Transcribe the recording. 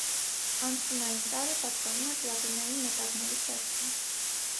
Անցումային տարր է, պատկանում է պլատինային մետաղների շարքին։